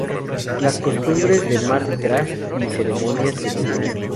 Las costumbres de Mardi Gras y ceremonias de vudú.